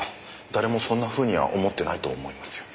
誰もそんなふうには思ってないと思いますよ。